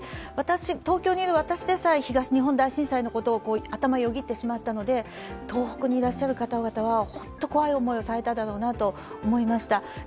私、東京にいる私でさえ東日本大震災のことが頭をよぎってしまったので東北にいらっしゃる方々は本当に怖い思いをされただろうなと思いました。